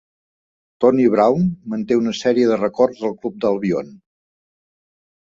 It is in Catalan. Tony Brown manté una sèrie de records del club d"Albion.